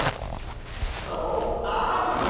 そうあーぷん！